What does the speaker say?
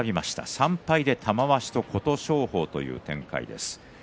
３敗で玉鷲と琴勝峰という展開です。